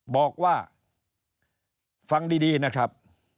บอกว่าฟังดีนะครับ